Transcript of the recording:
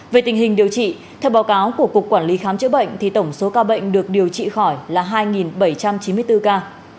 về tình hình điều trị theo báo cáo của cục quản lý khám chữa bệnh thì tổng số ca bệnh được điều trị khỏi là hai bảy trăm chín mươi bốn ca